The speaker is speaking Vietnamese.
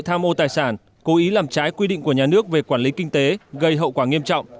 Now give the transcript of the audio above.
tham mô tài sản cố ý làm trái quy định của nhà nước về quản lý kinh tế gây hậu quả nghiêm trọng